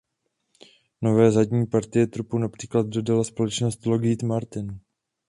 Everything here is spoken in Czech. Nové zadní partie trupu například dodala společnost Lockheed Martin.